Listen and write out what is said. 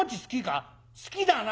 好きだな？